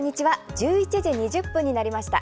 １１時２０分になりました。